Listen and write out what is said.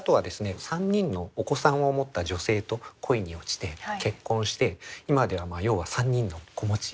３人のお子さんを持った女性と恋に落ちて結婚して今では要は３人の子持ち。